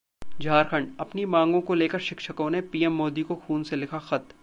झारखंड: अपनी मांगों को लेकर शिक्षकों ने पीएम मोदी को खून से लिखा खत